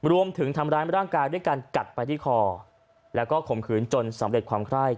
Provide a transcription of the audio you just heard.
รวมถึงทำร้ายร่างกายด้วยการกัดไปที่คอแล้วก็ข่มขืนจนสำเร็จความไคร้